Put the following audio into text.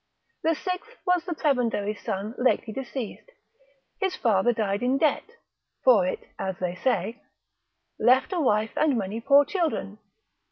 The sixth was the prebendary's son lately deceased, his father died in debt (for it, as they say), left a wife and many poor children.